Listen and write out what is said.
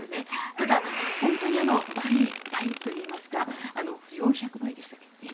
ただ、本当に倍といいますか４００倍でしたっけ？